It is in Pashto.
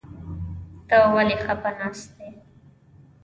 ته ولې خپه ناسته يې ؟